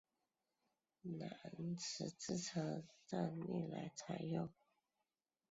南十字车站历来采用与柏林火车总站类似的高架车站结构。